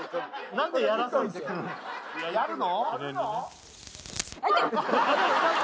何でやるの？